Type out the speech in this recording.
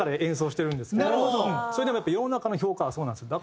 それでもやっぱ世の中の評価はそうなんですよ。